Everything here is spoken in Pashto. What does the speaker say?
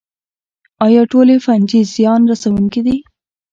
ایا ټولې فنجي زیان رسوونکې دي